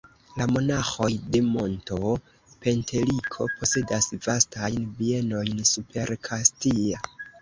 La monaĥoj de monto Penteliko posedas vastajn bienojn super Kastia.